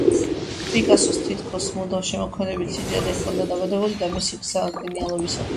პიკასოს თითქოს მუდამ შემოქმედებითი სიდიადე ჰქონდა დაბედებული და მისი გზა გენიალობისაკენ.